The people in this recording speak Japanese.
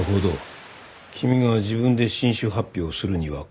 君が自分で新種発表をするにはか。